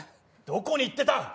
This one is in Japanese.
どこに行ってた！